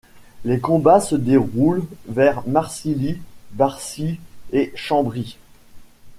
Les combats se déroulent vers Marcilly, Barcy et Chambry.